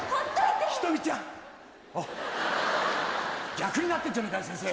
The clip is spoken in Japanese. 逆になってんじゃねえかよ先生。